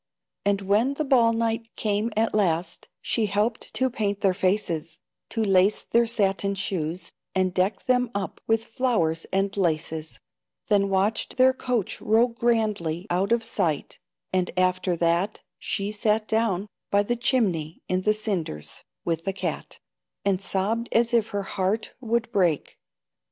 And when the ball night came at last, She helped to paint their faces, To lace their satin shoes, and deck Them up with flowers and laces; Then watched their coach roll grandly Out of sight; and, after that, She sat down by the chimney, In the cinders, with the cat, And sobbed as if her heart would break.